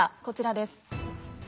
こちらです。